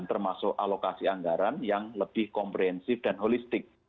termasuk alokasi anggaran yang lebih komprehensif dan holistik